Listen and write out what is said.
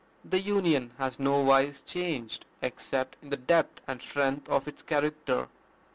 The union has nowise changed, except in the depth and strength of its character."